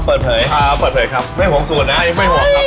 เปิดเผยอ่าเปิดเผยครับไม่ห่วงส่วนน่ะไม่ห่วงครับ